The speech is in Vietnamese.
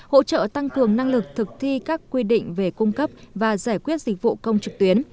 hỗ trợ tăng cường năng lực thực thi các quy định về cung cấp và giải quyết dịch vụ công trực tuyến